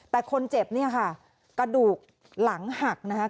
แต่คนเจ็บเนี่ยค่ะกระดูกหลังหักนะคะ